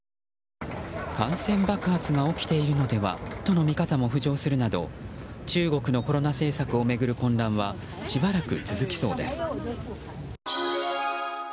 感染爆発が起きているのではとの見方も浮上するなど中国のコロナ政策を巡る混乱はしばらく続きそうです。